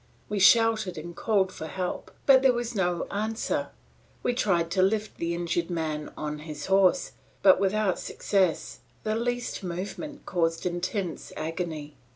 We shouted and called for help; there was no answer; we tried to lift the injured man on his horse, but without success; the least movement caused intense agony.